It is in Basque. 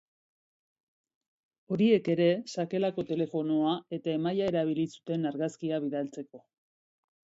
Horiek ere sakelako telefonoa eta emaila erabili zuten argazkia bidaltzeko.